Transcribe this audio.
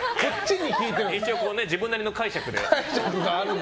一応、自分なりの解釈で。